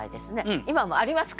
今もありますか？